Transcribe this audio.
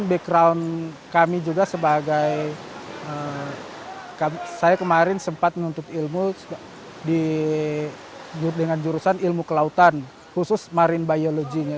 background kami juga sebagai saya kemarin sempat menuntut ilmu dengan jurusan ilmu kelautan khusus marine biologinya